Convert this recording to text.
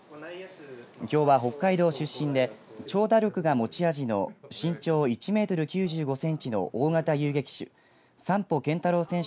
きょうは北海道出身で長打力が持ち味の身長１メートル９５センチの大型遊撃手